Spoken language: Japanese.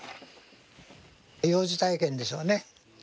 幼児体験でしょうね。